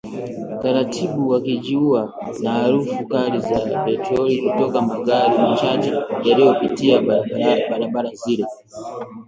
Taratibu wakijiua na harufu kali za petroli kutoka magari machache yaliyopitia barabara zile